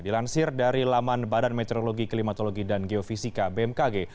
dilansir dari laman badan meteorologi klimatologi dan geofisika bmkg